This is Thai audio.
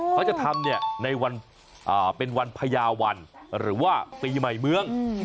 เขาจะทำในวันเป็นวันพญาวันหรือว่าปีใหม่เมือง